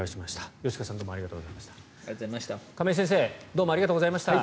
吉川さん、亀井先生どうもありがとうございました。